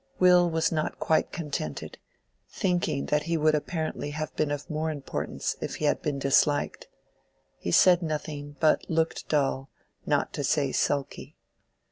Will was not quite contented, thinking that he would apparently have been of more importance if he had been disliked. He said nothing, but looked dull, not to say sulky.